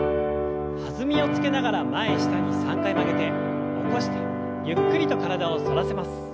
弾みをつけながら前下に３回曲げて起こしてゆっくりと体を反らせます。